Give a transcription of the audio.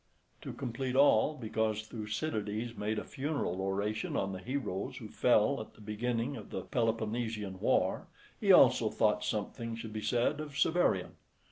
To complete all, because Thucydides made a funeral oration on the heroes who fell at the beginning of the Peloponnesian war, he also thought something should be said of Severian.